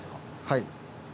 はい。